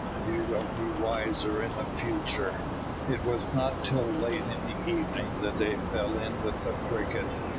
We will be wiser in future." It was not till late in the evening that they fell in with the frigate.